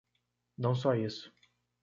Não só isso.